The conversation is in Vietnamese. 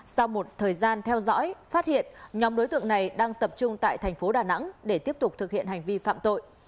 sau một thời gian theo dõi phát hiện nhóm đối tượng này đang tập trung tại tp hcm để tiếp tục thực hiện hành vi phạm tội